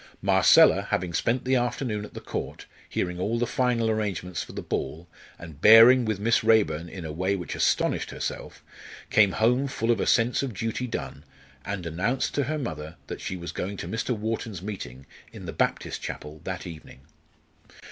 Marcella, having spent the afternoon at the Court, hearing all the final arrangements for the ball, and bearing with Miss Raeburn in a way which astonished herself, came home full of a sense of duty done, and announced to her mother that she was going to Mr. Wharton's meeting in the Baptist chapel that evening.